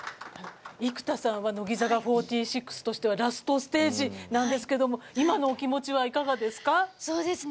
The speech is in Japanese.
生田さんは乃木坂４６としてはラストステージなんですけども今のお気持ちはいかがですか？